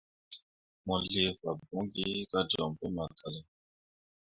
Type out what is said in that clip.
Mo lii fambõore gi kah joɲ pu makala.